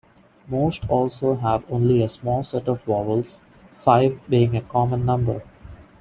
Most also have only a small set of vowels, five being a common number.